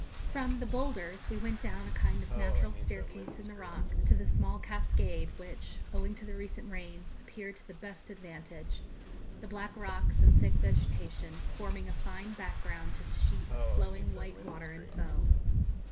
From 'The Boulders' we went down a kind of natural staircase in the rock to the small cascade, which, owing to the recent rains, appeared to the best advantage, the black rocks and thick vegetation forming a fine background to the sheet of flowing white water and foam.